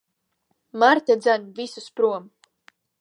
Marta dzen visus prom.